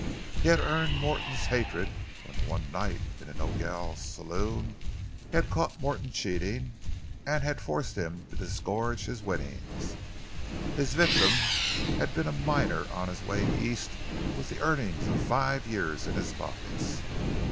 He had earned Morton's hatred when one night in a Nogel saloon he had caught Morton cheating and had forced him to disgorge his winnings. His victim had been a miner on his way East with the earnings of five years in his pockets.